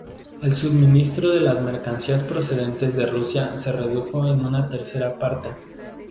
El suministro de las mercancías procedentes de Rusia se redujo en una tercera parte.